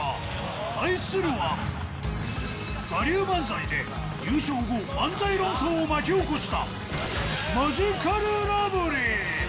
対するは、我流漫才で優勝後、漫才論争を巻き起こしたマヂカルラブリー。